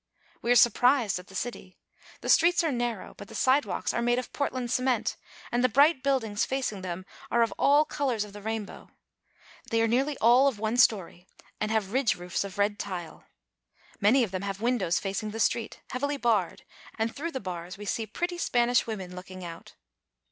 We are surprised at the city. The streets are narrow, but the sidewalks are made of Portland cement, and the 340 VENEZUELA. bright buildings facing them are of all colors of the rain bow. They are nearly all of one story and have ridge roofs of red tile. Many of them have windows facing the street, heavily barred, and through the bars we see pretty Spanish women looking out.